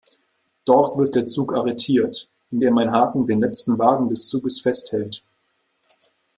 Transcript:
Dort wird der Zug arretiert, indem ein Haken den letzten Wagen des Zuges festhält.